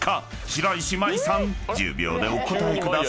［白石麻衣さん１０秒でお答えください］